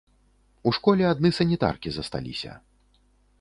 У школе адны санітаркі засталіся.